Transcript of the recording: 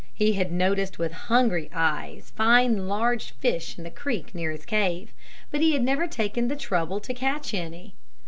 He had noticed with hungry eyes fine large fish in the creek near his cave. But he had never taken the trouble to catch any.